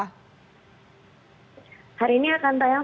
hari ini akan tayang